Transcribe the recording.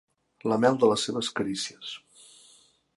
La mel de les seves carícies.